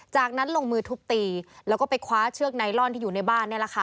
จากนั้นลงมือทุบตีแล้วก็ไปคว้าเชือกไนลอนที่อยู่ในบ้านนี่แหละค่ะ